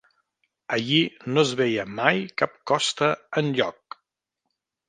Allí no es veia mai cap costa enlloc